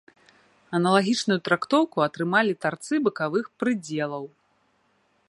Аналагічную трактоўку атрымалі тарцы бакавых прыдзелаў.